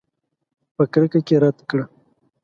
په کرکه یې رد کړه.